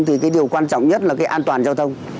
thì cái điều quan trọng nhất là cái an toàn giao thông